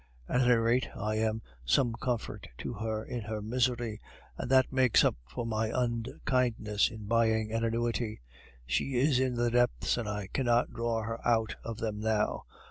At any rate, I am some comfort to her in her misery; and that makes up for my unkindness in buying an annuity. She is in the depths, and I cannot draw her out of them now.